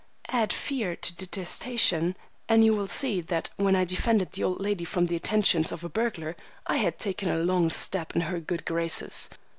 Add fear to detestation, and you will see that when I defended the old lady from the attentions of a burglar, I had taken a long step into her good graces.